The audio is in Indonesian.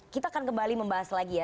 kita akan kembali membahas lagi ya